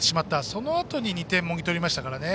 そのあとに２点もぎ取りましたからね。